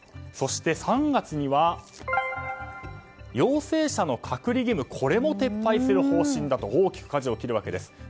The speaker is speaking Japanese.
そして、３月には陽性者の隔離義務も撤廃する方針だと大きくかじを切るわけです。